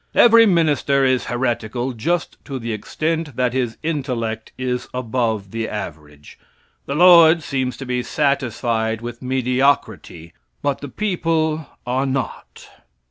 Every minister is heretical just to the extent that his intellect is above the average. The Lord seems to be satisfied with mediocrity; but the people are not.